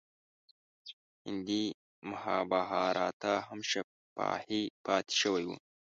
هندي مهابهاراتا هم شفاهي پاتې شوی و.